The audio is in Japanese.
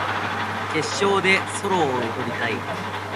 決勝でソロを踊りたい